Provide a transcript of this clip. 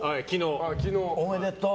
おめでとう！